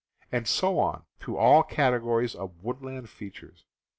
And so on, through all categories of woodland features.